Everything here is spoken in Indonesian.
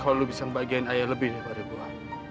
kalau lu bisa ngebayangin ayah lebih dari gua